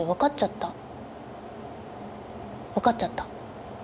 分かっちゃった。